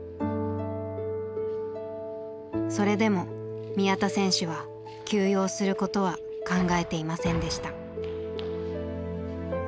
それでも宮田選手は休養することは考えていませんでした。